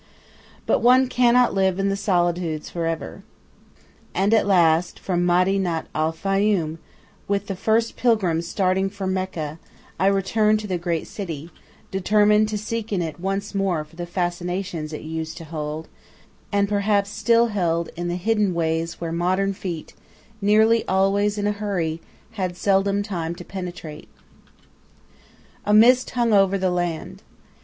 But one cannot live in the solitudes for ever. And at last from Madi nat al Fayyum, with the first pilgrims starting for Mecca, I returned to the great city, determined to seek in it once more for the fascinations it used to hold, and perhaps still held in the hidden ways where modern feet, nearly always in a hurry, had seldom time to penetrate. A mist hung over the land.